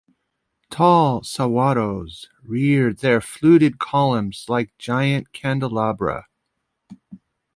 Tall saguaros reared their fluted columns like giant candelabra.